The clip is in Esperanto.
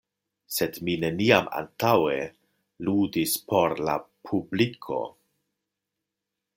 Sed mi neniam antaŭe ludis por la publiko.